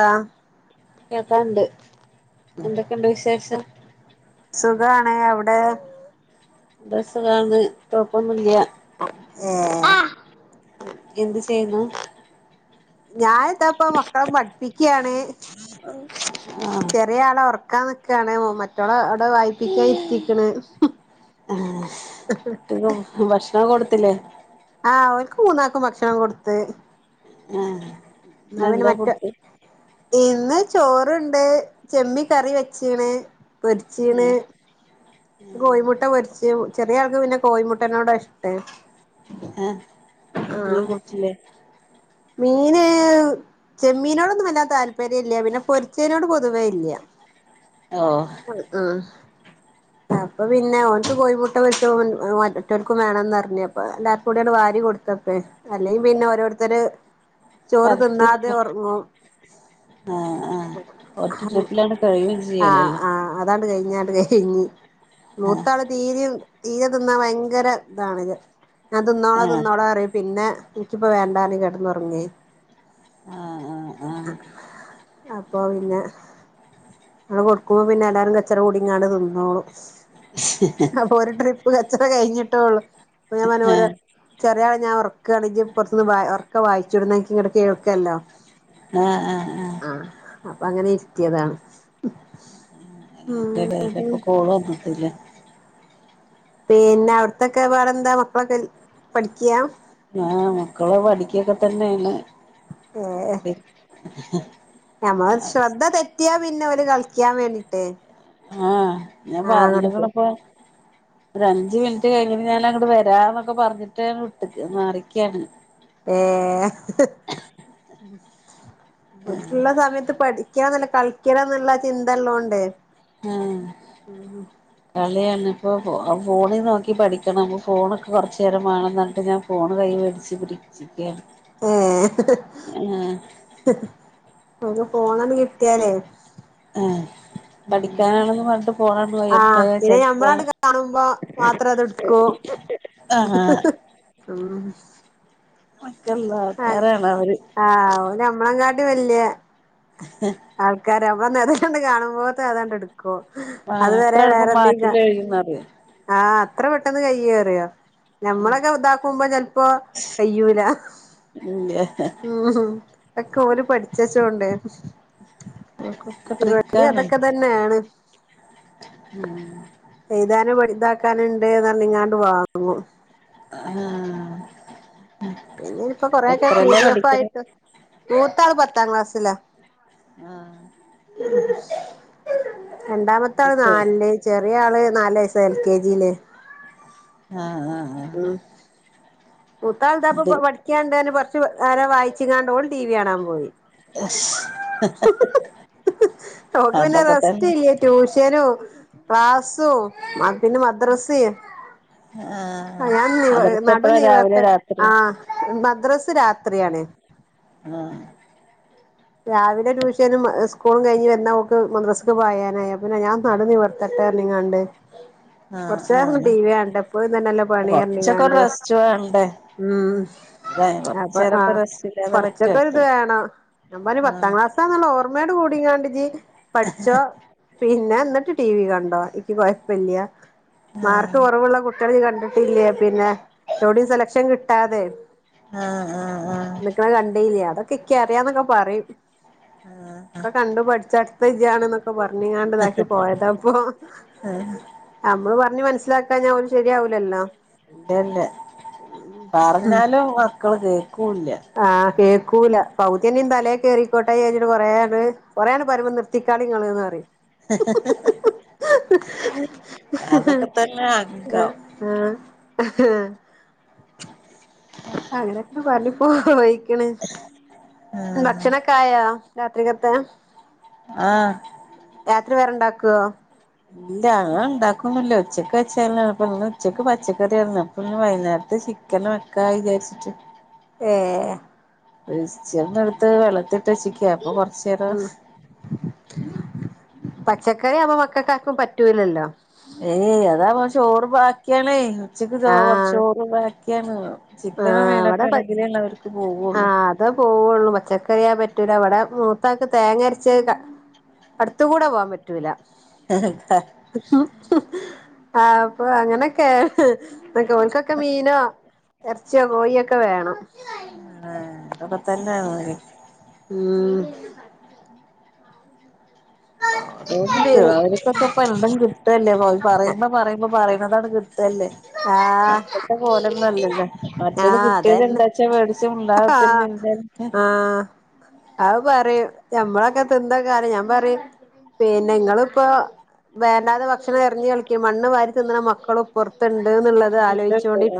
ആ കേക്കാണ്ട് എന്തൊക്കെയുണ്ട് വിശേഷം സുഖണേ അവിടെ ബ്രസ കാണന്ന് കൊഴപ്പൊന്നും ല്ലാ ഏ എന്ത്തു ചെയ്യുന്നു ഞാനെതാപ്പ മക്കളെ പഠിപ്പിക്കയാണ് ആഹ് ചെറിയ ആളെ ഉറക്കാ നക്കയാണ് മറ്റോള അവിടെ വായിപ്പിക്കാൻഇരിത്തിക്ണ് ഭക്ഷണക്കെ കൊടുത്തില്ലേ? ആ അവർക്ക് മൂന്നാക്കുംഭക്ഷണം കൊടുത്തു. ആഹ് ഇന്നെന്താ ഫുഡ് ഇന്ന് ചോറുണ്ട് ചെമ്മീൻകറി വെച്ചീണ് പൊരിച്ചീണ് ആഹ് കോഴിമുട്ട പൊരിച്ച് ചെറിയ ആൾക്ക് പിന്നെ കോഴിമുട്ടനോടാ ഇഷ്ടേ. ആ മീൻകൂട്ടില്ലേ? മീന് ചെമ്മീനോടൊന്നും വല്യതാല്പര്യം ഇല്ല. പിന്നെ പൊരിച്ചേനോട് പൊതുവേ ഇല്ല. ഓഹ് ഉം. അപ്പൊ പിന്നെ ഓനുക്ക് കോയിമു ട്ട പൊരിച്ചപ്പം മറ്റോർക്കും വേണംമെന്ന് പറിഞ്ഞപ്പോ എല്ലാർകൂടി അങ്ങ് വാരി കൊടുത്തപ്പേ അല്ലെങ്കിൽ പിന്നെ ഓരോരുത്തര് ചോറ് പരത്തി തിന്നാതെ ഉറങ്ങും. ആഹ് ആഹ് ഒറ്റ ട്രിപ്പിലങ്ങട് കഴിയും ആ ചെയ്യലല്ലേ ആ അതാണ്ട് കഴി ഞാണ്ട് കഴിഞ് ആഹ് മൂത്താള് തീരെയും തീയ തിന്നാ ഭയങ്കര ഇതാണിത്. ഞാൻ തിന്നോളാ ആഹ് തിന്നോളാ പറയും പിന്നെ എനിക്കിപ്പോ വേണ്ട പറഞ്ഞ് കിടന്ന് ഉറങ്ങി. ആഹ് ആഹ് ആഹ് അപ്പോ പിന്നെ നമ്മൾ കൊടുക്കുമ്പോൾ പിന്നെ എല്ലാവാരും കച്ചട കുടി അങ്ങോണ്ട് തിന്നോളും. അപ്പൊ ഒരു ട്രിപ്പ് കച്ചട കഴിഞ്ഞിട്ടേള്ളു. അപ്പൊ ഞാൻ മനോരോ ആഹ് ചെറിയാളെഞാൻ ഉറക്കുകയാങ്കിൽ പുറുന്ന് ഒറക്കെ വായിച്ചുടുന്ന എനിക്ക് ഇങ്ങട് കേൾക്കല്ലോ? ആഹ് ആഹ് ആഹ് അങ്ങനെ ഇരിത്തിയതാണ്. ചേട്ടായിടെഇപ്പം കോളു വന്നിട്ടില്ല പിന്നെ അവിടത്തൊക്കെ വേറെ എന്താ മക്കളൊക്കെ പഠിക്ക? ആ മക്കള് പഠിക്കുകക്കെ തന്നെയാണ്. ഞമ്മള് ശ്രദ്ധ തെറ്റിയാ പിന്നെ ഓര് കളിക്കാൻ വേണ്ടീട്ട് ആ ഞാൻ പറഞ്ഞിക്കണ് ഇപ്പം. ഒ അഞ്ച് മിനിറ്റ് കഴിഞ് ഞാൻ അങ്ങട്ട് വരാന്നൊക്കെ പറഞ്ഞിട്ട് മാറിനിക്കുവാണ്. ഏ ഓൾക്ക്ഉള്ളസമയത്ത് പഠി ഠിക എന്നല്ല കളിക്കണം എന്നുള്ള ചിന്തയുള്ളോണ്ട് ആ കളിയാണ്. അപ്പോൾ ഫോണിൽ നോക്കി പഠിക്കണം അപ്പം ഫോണൊക്കെ കുറച്ച് നേരം വേണം മെന്ന് പറഞ്ഞിട്ട് ഞാൻ ഫോൺ കൈ മേടിച്ച് പിടിച്ച് ഏ ആഹ് അവർക്ക്ഫോൺ ഒന്ന് കിട്ടിയാലേ ആ ആ കയ്യില്ണ്ടായാ പിന്നെ ചെലപ്പോ ഞമ്മളടു കാണുമ്പോ മാത്രം അത് എടുക്കൂ. ആഹ് ഹ ഹ ഒക്കെള്ള ആ ആൾക്കാരാണ് അവര് ആ നമ്മളെങ്ങാ വല്യആൾകാര് അതാണ്ട് കാണുമ്പോത്തെ ഏതാണ്ട് എടു ആഹ് അത്ര അതുവരെ എളുപ്പം വേറെ എന്തെ കാ മാറ്റിലെഴിയുംന്നറിയോ ആ. എത്ര പെട്ടെന്ന് കയ്യുന്നറിയോ? ഞമ്മളൊക്കെ ഇതാക്കുമ്പോ ചലപ്പോ കയ്യൂല. ഇല്ല്യ ഉം. ഒക്കെ ഓര് പഠിച് വെച്ചോണ്ട്. ഓൽക്കൊക്കെ ഇവിടെ ട്രിക്കാണ് അതൊക്കെ തന്നെയാണ്. ഉം അങ്ങനെ വലുതാക്കാനുണ്ട് എന്ന് പറഞ്ഞിങ്ങാണ്ട് വാങ്ങും. ആ പിന്നെ ഇപ്പൊ കൊറൊയെക്കെ പി. ഡി. എഫ്. ആയിട്ട് മൂത്താള് പത്താം ക്ലാസ് സിലാ ആഹ് രണ്ടാമത്തെ അത് ആള് ശരി നാലില്ല് ചെറിയ ആള് നാല് വയസ് എൽ. കെ. ജി യില്. ആഹ് ആഹ് ആഹ് ഉ മൂത്താൾതാപ്പൊ അത് പഠിക്കണ്ട് കുറച്ച് നേരാ വായിച്ച്. [unintelligible] ടി. വി കാണാൻ പോയി. ഓക്ക് പിന്നെ അതൊക്കെ റസ്റ്റ് തന്നെ ഇല്ലേ ട്യൂഷനും. ക്ലാസു പിന്നെ മദ്രസെ. ആ ആഹ് ഞാൻ നി മദ്രസ നടു എപ്പഴാ നിവർത്ത രാവിലെ ആ രാത്രിയോ മദ്രസ രാത്രിയണേ. ആ. രാവിലെ ട്യൂഷനും സ്കൂളും കഴിഞ്ഞ് വന്ന ഓക്ക് മദ്രസക്ക് പോയാനായ പിന്നെ ഞാൻ നടു നിവർത്ത [unintelligible] ആഹ് കുറച്ച് നേരം ടി. ആഹ് വി കാണട്ടെ എപ്പഴും ഇതന്നെല്ലാം പണി കൊറച്ചൊക്കെ ഒരു [unintelligible] റെസ്റ്റ് വേണ്ടേ ഉം അല്ലെ അപ്പൊ ആ കൊറച്ചേരൊക്കെ റെസ്റ്റ് ഇല്ലാതെ പറ്റുവോ കൊറച്ചൊക്കെരിത് വേണോ. ഞാൻ പറഞ്ഞ് ആഹ് പത്താം ക്ലാസ്സാന്നുള്ള ഓർമയോട് കൂടിങ്ങാണ്ടിജി പഠിച്ചോ പിന്നെ എന്നിട്ട് ടി വി കണ്ടോ എനിക്ക് കുഴപ്പില്ല ആഹ് മാർക്ക് കുറവുള്ള കുട്ടി ഇ കണ്ടിട്ടില്ലേ പിന്നെ എവിടെയും സെലക്ഷൻ കി കിട്ടാതെ ആഹ് ആഹ് നിക്കന്ന കണ്ടില്ല, അതൊക്കെ ഇക്കറിയന്നൊക്കെ. പറയും ആഹ് ആഹ് ഒക്കെ കണ്ടു പഠിച്ചടുത്ത ഇജ് നീ യാണ് എന്നൊക്കെ പറയും. [unintelligible] പോയതാപ്പോ. ആഹ് നമ്മള് പറഞ്ഞ് മനസ്സിലാക്കാ ഓൻ ശരിയാവുലല്ലോ. എന്നെ പറഞ്ഞാലും മക്കള് കേക്ക ആ കേ ആക്കൂല പകുതിയനെയും തലയെ ക കേയറിക്കോട്ടെ കഞ്ഞിട്ട് പറെയാണ് കൊറെയാണ് പരുമ്പം നിർത്തിക്കാളിങ്ങന്ന് പറയും. അതൊക്കെ തന്നെ അങ്കം. ആഹ. അങ്ങനെയൊക്കെ പറഞ്ഞിപ്പോയി. ക്ക്ണ് ആഹ് ഭക്ഷണൊക്കെ ആയോ രാത്രിക്കത്തെ? ആഹ് രാത്രി വേറെണ്ടാക്കോ? ഇല്ല അങ്ങണ്ടാക്കൊന്നുല്ല. ഉച്ചക്ക് വെച്ചെന്നാണ് പ്പം. ഇന്ന് ഉച്ചക്ക് പച്ചക്കറി ആര്ന്നു അപ്പം ഇന്ന് വൈന്നാരത്ത് ചിക്കൻ വെക്ക വിചാര്ച്ച്ട്ട്. ഏഹ് [unintelligible] എട്ത്ത് വെള്ളത്തി ട്ടെച്ചിക്ക അപ്പൊ കൊർച്ചേര ഉം ക്കാക്കും പറ്റൂലല്ലോ. ഏയ് അതാ പ ചോറ് ബാക്കിയാണേ ഉച്ച ക്ക് ആഹ് ചോറ് ബാക്കിയാണ്. ചിക്കനോ ആഹ് മീനക്കെ ഇവടെ പ ആണെങ്കിലേ ല്ലേ അവർക്ക് പോവുള്ളൂ. പച്ചക്കറിയാ പറ്റൂല. ഇവടെ മൂത്താക്ക് തേങ്ങര്ച്ച ക അട്ത്ത് കൂടെ പോകാൻ പ റ്റൂല്ല. ആഹ് ആഹ് പ്പൊ അങ്ങനൊക്കേണ്. ഓൽക്കൊക്കെ മീനോ എർച്ചിയോ കോഴിയൊക്കെ വേണം. [unintelligible] ഉം. പി [unintelligible] അവര്ക്കൊക്കെ ഇപ്പ എന്തും കിട്ടല്ലേ. പറയുമ്പ പറയുമ്പ പറയ്ണതാണ്ട് കി തല്ലേ. ആഹ് പണ്ടത്തെ പോലെന്നല്ലല്ലേ, മറ്റേത് ആഹ് കിട്ടിയത് എന്താച്ചാ മേടിച്ച് മിണ്ടാതെ ക്കുത്തർന്ന് ആ ആയ് പറയും നമ്മളൊക്കെ തിനെ കാര്യം ഞാൻ പറയും. പിന്നെ നിങ്ങളിപ്പോ വേണ്ടാതെ ഭക്ഷണം എറിഞ്ഞ് കളിക്കും. മണ്ണ് വാരി തിന്നണ മക്കളും ഇപ്പ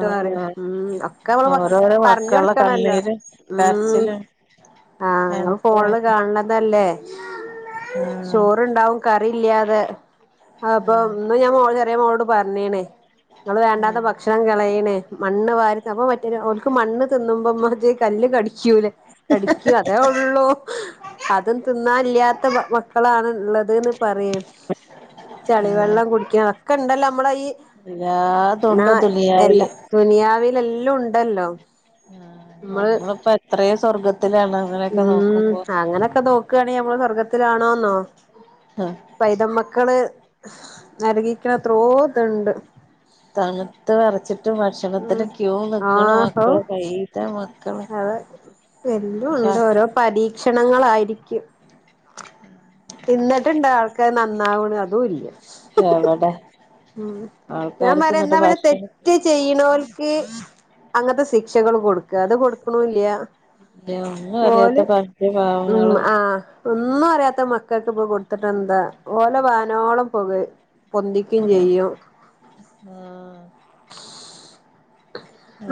ആ ഉം ഒക്കെ നമ്മള് ഓരോരോ പറഞ്ഞ് മക്കളുടെ കൊടുക്കണല്ലോ കണ്ണീര് ഉം കരച്ചില് ആഹ് ഇങ്ങൾ ഫോണില് കാണ്തല്ലേ ആഹ് ചോറ് ഉണ്ടാവും കറി ഇല്ലാതെ അപ്പൊ ആഹ് ഇന്ന് ഞാൻ മോള് ചെറിയ മോളോട് പറഞ്ഞീണ്. ഇങ്ങൾ വേണ്ടാത്ത ആഹ് ഭക്ഷണം കളയ്ണ് മണ്ണ് വാരി അപ്പൊ മറ്റൊര് ഒൽക്ക് മണ്ണ് തിന്നുബെ മറ്റെ കല്. കല്ല് കടിക്കൂല്ലേ കടിക്കും അതേ ഒള്ളൂ. അതും തിന്നാനില്ല്യാത്ത മക്കളാണ് ഇള്ളതന്ന്. പറയും ആഹ് ചളിവവെള്ളം കുടിക്കണം ഒക്കെ ഇണ്ടല്ലോ നമ്മള ഈ. നാ എല്ലാതുണ്ട് എല്ല ദുനിയാവില് ദുനിയാവില് എല്ലാം ഉണ്ടല്ലോ. ആഹ് നമ്മള് നമ്മളപ്പോ എത്രെയേ സ്വർഗത്തിലാണ്. അങ്ങനെയൊക്കെ ഉം നോക്കുമ്പോ അങ്ങനൊക്കെ നോക്കാണേൽ അമ്മള് സ്വർഗ്ഗത്തിലാണോന്നോ. ആഹ് പൈത മക്കള് നരകിക്കണത്രോ ഇതുണ്ട്. തണുത്ത് വെറച്ചിട്ട് ഉം ഭക്ഷണത്തിന് ക്യൂ നിക്കണ ആഹ് ഹോ മക്കള് പൈതമ അതെ ഇപ്പൊ എല്ലും ഉണ്ട് ഓരോ പരീക്ഷണങ്ങളായിരിക്കും. ഇന്നിട്ട് ഇണ്ടോ ആൾക്കാര് നന്നാവ്ണ് അതും ഇല്ല. എവിടെ. ഉം ഞാൻ ആൾക്കാർക്ക് പറയാ എന്നിട്ട് ഇന്നാ പിന്നെ ഭക്ഷണം തെറ്റ് ചെയ്യ്ണ്ണോൽക്ക്. അങ്ങത്തെ സിക്ശകള് കൊടുക്ക അത് കൊടുക്കണ്ണൂല്യ. ഇല്ല ഒന്നും ഓൽ അറിയാത്ത മ്മ് പഞ്ചപാവങ്ങള് ആഹ് ഒന്നും ഒന്നും അറിയാത്ത മക്കൾക്ക് ഇപ്പം കൊടുത്തിട്ട് എന്താ ഓലെ വാനോളം പുകഴ് പൊ ക്കിങ് ചെയ്യും ആഹ്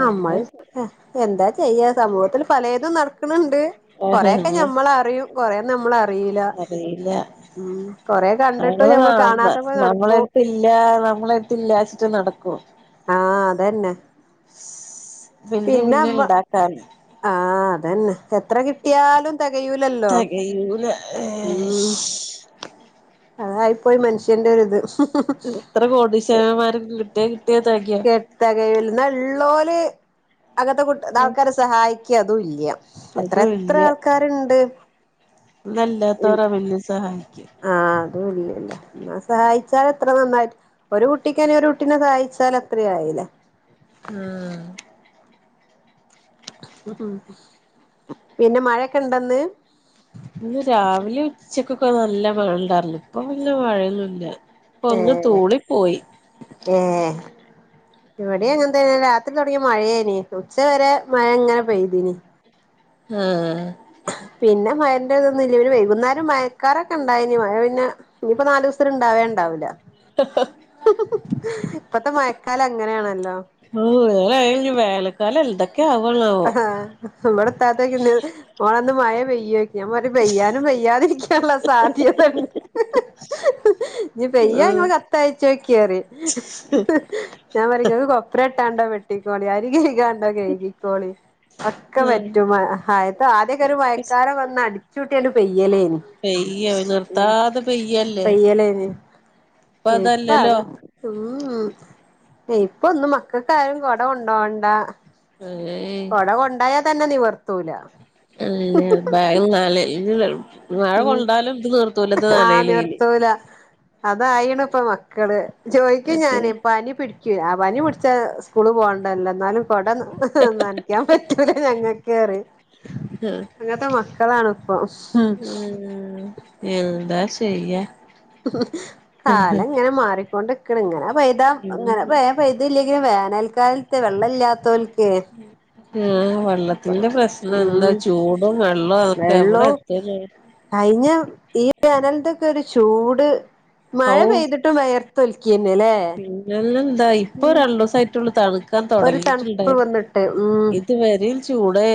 ആഹ് അമ്മൾ എന്താ ഏഹ് എന്താ ചെയ്യാ സമൂഹത്തില് പലേതും നടക്കണ് ണ്ട്. കൊറെയൊക്കെ ഞമ്മള് അറിയും കൊറേ നമ്മള് അറീയീല അറിയില്ല മ്ഹ് കൊറെ കണ്ടിട്ടും നമ്മള് ഞമ്മള് കാണുന്ന കാണാത്ത പോലെ നടക്കും. നമ്മളെടുത്തില്ല നമ്മളെടുത്തില്ലാച്ചിട്ട് നടക്കും ആഹ് അതന്നെ. പിന്നേം പിന്നെ പിന്നേം അമ്മ ഇണ്ടാക്കാന് ആഹ് അതന്നെ എത്ര കിട്ടിയാലും. തെകയൂലല്ലോ തെകയൂല മ്ഹ് അതാ ഇപ്പോ ഒരു മനുഷ്യന്റെ ഒര് ഇത്. എത്ര കോടിശരമാര കിട്ടിയ കിട്ടി കെ തെകയൂല എന്നാ ഉള്ളോല് അങ്ങത്തെ കുട്ട്ആൾക്കാരെ സഹായി ഇക്കി അതുല്യാ എത്ര അതും എത്ര ആൾക്കാര്ണ്ട്‌. അതല്ലാത്ത ഒരാ പിന്നേം സഹായിക്ക്യ. അതൂ ഇല്ലല്ല ന്നാ സഹായിച്ചാല് എത്ര നന്നായി് ഒരു കുട്ടിക്ക്ന്ന ഒരു കുട്ടിനെ സഹായിച്ചാൽ അത്രെയായി. ലേ. ആഹ. പിന്നെ മഴൊക്കെ ഇണ്ടന്ന്. ഇന്ന് രാവിലെ ഉച്ചക്കൊക്കെ നല്ല മഴ ഇണ്ടായിർന്ന് ഇപ്പൊ പിന്നെ മഴയൊന്നുല്ല. ഇപ്പൊ ഏ ഒന്ന് തൂളി പോയി ഏ ഇവടെ അങ്ങനതനെ തുടങ്ങിയ മഴയെനി ഉച്ച വരെ മഴ ഇങ്ങനെ പെയ്തനി. ആ. ല്ല്യെ പിന്നെ വൈകുന്നേരം മയക്കാരൊക്കെ ഉണ്ടായിനി മയ പിന്നെ ഇനിയിപ്പ നാലൂസാത്തിന് ഉണ്ടാവേണ്ടാവൂല്യാ. ഇപ്പത്തെ മയക്കാല അങ്ങനെയാണല്ലോ. വേലക്ക. ആ് ഇവിടെത്താത്ത ചോയ്ക്കണ്ട് മോളേ മഴ പെയ്യോ. ഞാൻ പറയും പെയ്യാനും പെയ്യാതിരിക്കാള്ള സാധ്യതണ്ട്. നീ ആഹ് പെയാങ്ങൾ കത്തയച്ചോക്കി പറയും ഞാൻ പറയും ഇങ്ങള് കൊപ്ര. ട്ടാണ്ടോ വെട്ടിക്കോണി അരി കഴ്കാണ്ടോ കഴകി. ള്ളി ഒക്കെ ആഹ് പറ്റും അത് ആദ്യക്കെ ഒരു മയക്കാലം വന്ന് അടിച്ചൂട്ടി ങ്ങട്ട് പെയ്യും. പെയോ നിർത്താത് പെയ. പയ്യല്യേനി ഇപ്പ അതല്ലല്ലോ അതാ ഉംമ്. ഇപ്പൊ ഒന്നും മക്കൾക്കായാലും കുടം കൊണ്ടോണ്ട. ഏയ് കൊട കൊണ്ടായാ തന്നെ നിവർത്തൂല അല്ലാ ഭയംങ്ങാലേ ഏജ്ലുള്ളൂ മഴ ഉം കൊണ്ടാലും ഇത് നീർത്തൂലത് നനയലേലെ അതായിണിപ്പ മക്കള് ജോയ്ക്കും മറ്റേ ഞാന് പനി പിടി ക്ക് ആ പനി പിടിച്ച സ്കൂള് പോണ്ടാലോ എന്നാലും കൊട നനക്കാൻ പറ്റൂല ഞങ്ങക്കേ അറി ആഹ് അങ്ങൻത്തെ മക്കളാണ് ഇപ്പൊ ഊം എന്താ ശെയ്യാൻ കാലഇങ്ങനെ മാറിക്കൊണ്ട്ക്ക്ണ് ഇങ്ങനെ പെയ്താ ങ്ങനെ മയ പെയ്തില്ലെ വേനൽക്കാൽത്ത് വെള്ള ഇല്ലാത്തോൽക്ക് ആഹ് വള്ളത്തിന്റെ പ്രശ്നെന്താ ചൂടും വെള്ള വെള്ളേം കയിഞ്ഞ ഈ വേനൽതൊക്കെ ഒരു ചൂട് മഴ ഔ പെയ്തിട്ടും വെയർത്തൊലിക്ക് ക്കേന്നെലേ എന്താ ഇപ്പൊ രണ്ടൂസായ്ട്ടുള്ളു തണുക്കാൻ ഒരു തണുപ്പ് തൊടങ്ങിയിട്ട്ണ്ടായി വന്നിട്ട് ഇതുവരേം ചൂടേ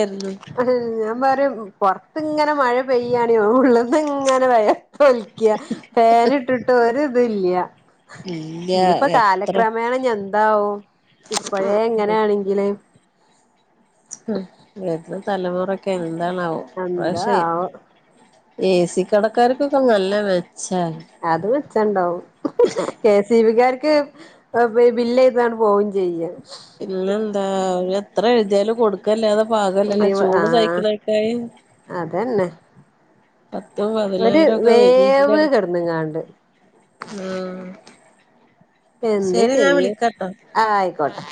അഹ് ഞാൻ പറയാ പൊറത്തിങ്ങനെ മഴ പെയ്യാണോ ഒള്ളത് ഇങ്ങനെ വെയ ത്തൊലിക്യാ ഫേനിട്ടിട്ട് ഒരൂതില്ല്യ ഉം ഇനിയിപ്പോ കാലക്രമേണ ഞിഎന്താവോ ഇപ്പഴേ എങ്ങനാണെങ്കില് ഉം വരുന്ന തലമുറൊക്കെ എന്താണാവോ എന്താ പഷേ ആവോ ഏസി കടക്കാര്ക്കൊക്കെ നല്ലമാ അത് വെച്ച്ണ്ടാവും കെ സി ബിക്കാര് ക്ക് അ് ബ് ബില്ല് പാങ്ങട്പോവേം ചെയ്യാണ് പില്ലെന്താ എത്ര എഴ്തിയാലും കൊടുക്കല്ലാതെ പാകവല്ലല്ലോ ചൂട് ആഹ് തയ്ക്കുന്നക്കായി അതന്നെ പത്തും ഒരു പതിനായിരം വേവ് ഒക്കെവേടീച്ചിട്ടാണ് കെടന്ന്ങ്ങാണ്ട് ആഹ്. എന്ത് ശരി ഞാൻ ചെയ്യും. വിളിക്കാട്ടോ ആയിക്കോട്ടെ